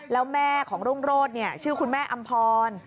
แล้วแม่ของรุ่งโรศชื่อคุณแม่อำพร